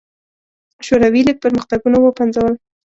شوروي لړ پرمختګونه وپنځول.